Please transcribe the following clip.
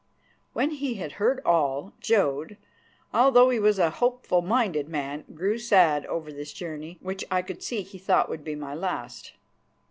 When he had heard all, Jodd, although he was a hopeful minded man, grew sad over this journey, which I could see he thought would be my last.